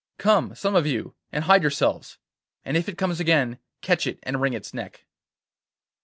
Come, some of you, and hide yourselves, and if it comes again, catch it and wring its neck.